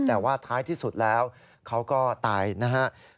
แต่ว่าท้ายที่สุดแล้วเขาก็ตายนะครับ